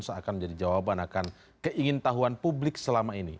seakan menjadi jawaban akan keingin tahuan publik selama ini